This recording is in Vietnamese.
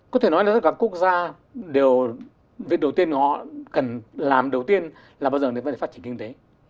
có thể nói là các quốc gia đều việc đầu tiên họ cần làm đầu tiên là bao giờ để phát triển kinh tế